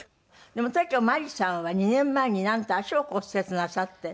でもとにかくまりさんは２年前になんと足を骨折なさって。